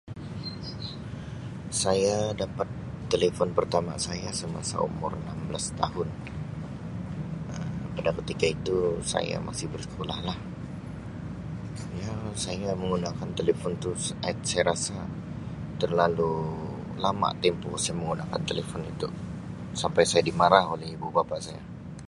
Saya dapat telefon pertama saya semasa umur enam belas tahun Um pada ketika itu saya masih bersekolah lah ya saya menggunakan telefon tu Um saya rasa terlalu lama tempoh saya menggunakan telefon itu sampai saya dimarah oleh ibu bapa saya.